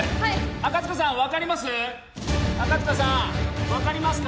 赤塚さん分かりますか？